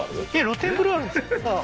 露天風呂あるんですか？